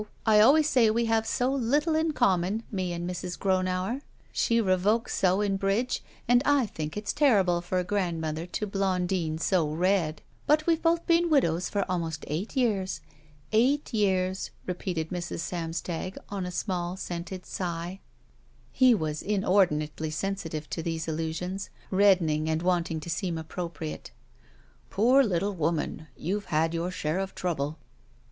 I always say we have so little in common, me and Mrs. Gronauer, she revokes so in bridge, and I think it's terrible for a grandmother to blondine so red, but we've both been widows for almost eight years. Eight years," repeated Mrs. Samstag on a small, scented sigh. He was inordinately sensitive to these alltisions, reddening and wanting to seem appropriate. "Poor little woman, you've had your share of trouble."